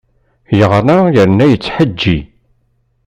Yeɣra yerna yettḥeǧǧi!